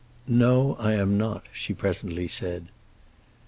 "No; I am not," she presently said.